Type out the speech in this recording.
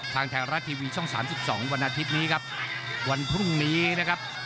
ทางไทยรัฐทีวีช่อง๓๒วันอาทิตย์นี้ครับวันพรุ่งนี้นะครับ